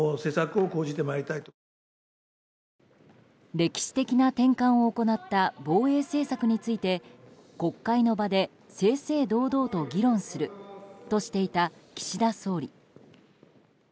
歴史的な転換を行った防衛政策について国会の場で正々堂々と議論するとしていた岸田総理。